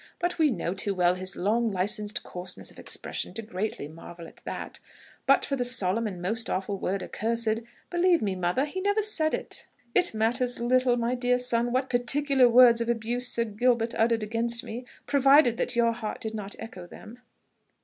But we know too well his long licensed coarseness of expression to greatly marvel at that; but for the solemn and most awful word ac cursed, believe me, mother, he never said it." "It matters little, my dear son, what particular words of abuse Sir Gilbert uttered against me, provided that your heart did not echo them."